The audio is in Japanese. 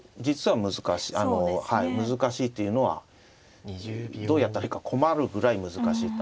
あの難しいというのはどうやったらいいか困るぐらい難しい。